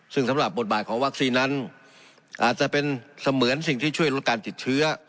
ซึ่งสำหรับบทบาทของวัคซีนนั้นอาจจะเป็นเสมือนสิ่งที่ช่วยลดการติดเชื้อ